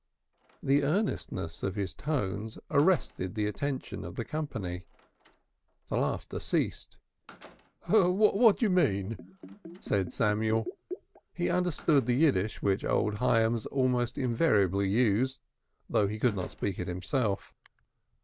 The earnestness of his tones arrested the attention of the company. The laughter ceased. "What do you mean?" said Samuel. He understood the Yiddish which old Hyams almost invariably used, though he did not speak it himself.